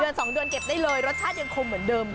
๒เดือนเก็บได้เลยรสชาติยังคงเหมือนเดิม